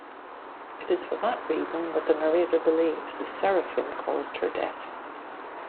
It is for that reason that the narrator believes the seraphim caused her death.